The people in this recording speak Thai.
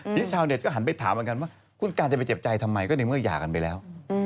ทีนี้ชาวเน็ตก็หันไปถามเหมือนกันว่าคุณการจะไปเจ็บใจทำไมก็ในเมื่อหย่ากันไปแล้ว